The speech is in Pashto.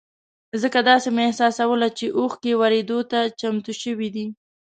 ځکه داسې مې احساسوله چې اوښکې ورېدو ته چمتو شوې دي.